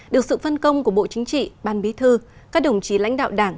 được sự phân công của bộ chính trị ban bí thư các đồng chí lãnh đạo đảng